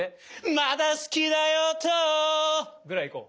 「まだ好きだよと！」ぐらい行こう。